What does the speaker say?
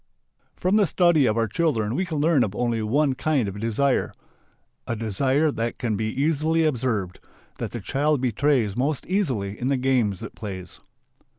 From the study of our children we can learn of only one kind of desire. A desire that can be easily observed, that the child betrays most easily in the games it plays.